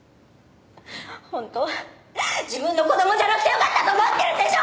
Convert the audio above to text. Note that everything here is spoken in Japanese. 本当は自分の子供じゃなくてよかったと思ってるんでしょ！